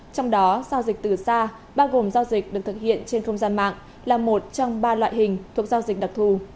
trong đó giao dịch từ xa bao gồm giao dịch được thực hiện trên không gian mạng là một trong ba loại hình thuộc giao dịch đặc thù